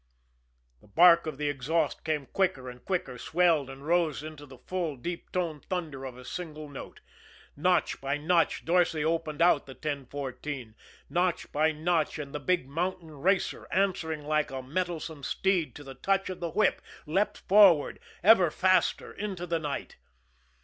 The bark of the exhaust came quicker and quicker, swelled and rose into the full, deep toned thunder of a single note. Notch by notch, Dorsay opened out the 1014, notch by notch, and the big mountain racer, answering like a mettlesome steed to the touch of the whip, leapt forward, ever faster, into the night.